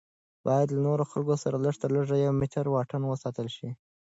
باید له نورو خلکو سره لږ تر لږه یو میټر واټن وساتل شي.